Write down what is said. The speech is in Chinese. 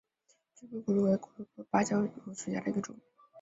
窗格骨螺为骨螺科长芭蕉螺属下的一个种。